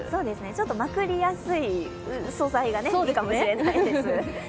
まくりやすい素材がいいかもしれないです。